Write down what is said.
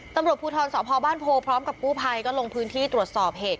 ตำรวจภูทรสพบ้านโพพร้อมกับกู้ภัยก็ลงพื้นที่ตรวจสอบเหตุ